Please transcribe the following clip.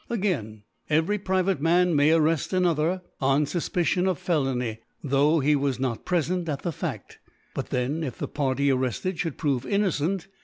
Again every private Man may arreft another on Sufpicion of Felony, though he was not prefent at the Fa6t |t. But thcp if the Party arretted fliould prove innocent